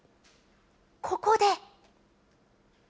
ここで。